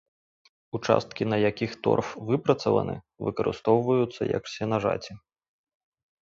Участкі, на якіх торф выпрацаваны, выкарыстоўваюцца як сенажаці.